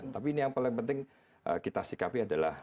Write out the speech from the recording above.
tapi ini yang paling penting kita sikapi adalah